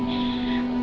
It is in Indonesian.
kasian tanta andi